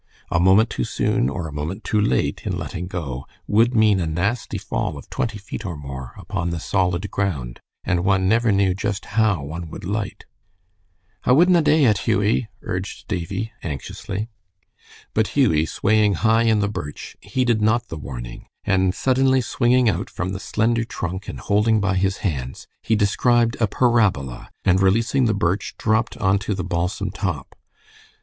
A moment too soon or a moment too late in letting go, would mean a nasty fall of twenty feet or more upon the solid ground, and one never knew just how one would light. "I wudna dae it, Hughie," urged Davie, anxiously. But Hughie, swaying high in the birch, heeded not the warning, and suddenly swinging out from the slender trunk and holding by his hands, he described a parabola, and releasing the birch dropped on to the balsam top.